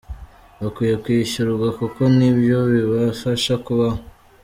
Bakwiye kwishyurwa kuko nibyo bibafasha kubaho.